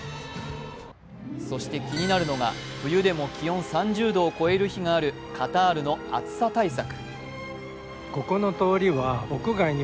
そして、気になるのが冬でも気温３０度を超える日があるカタールの暑さ対策。